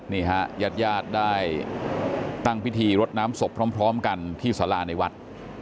นี่ฮะญาติญาติได้ตั้งพิธีรดน้ำศพพร้อมกันที่สาราในวัด